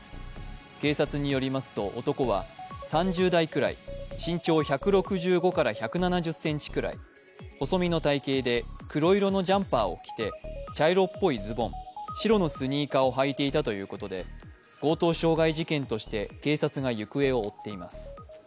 警察によりますと、男は３０代くらい身長１６５１７０ｃｍくらい、細身の体型で黒色のジャンパーを着て茶色っぽいズボン、白のスニーカーを履いていたということで強盗傷害事件として警察が行方を追っています。